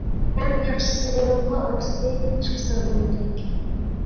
ئەڭ ياخشىسى بۇرۇنقى ئارتىسى چىقسا بولغۇدەك.